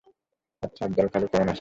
আচ্ছা আফজাল খালু কেমন আছেন?